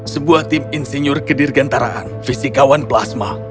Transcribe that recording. sebuah tim insinyur kedirgantaraan fisikawan plasma